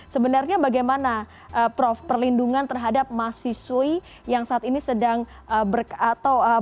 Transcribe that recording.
sebenarnya bagaimana prof perlindungan terhadap masi sui yang saat ini sedang berkata